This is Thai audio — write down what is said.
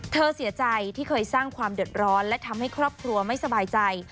เธอเสียใจที่เคยสร้างความเดือดร้อนและทำให้ครอบครัวไม่สบายใจ